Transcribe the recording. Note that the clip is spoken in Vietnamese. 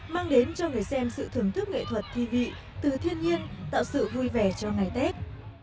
mang đến cho người xem sự thưởng thức nghệ thuật thi vị từ thiên nhiên tạo sự vui vẻ cho ngày tết